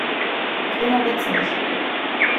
Grüner wird's nicht.